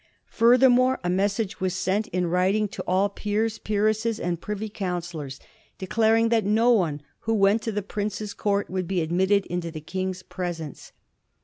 Furthermore, a message was sent in writ 1787. APPLYING A PRECEDENT. 109 ing to all peers, peeresses, and privy councillors, declaring that no one who went to the prince's court would be ad mitted into the King's presence.